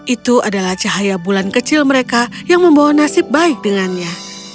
itu adalah cahaya bulan kecil mereka yang membawa nasib baik dengannya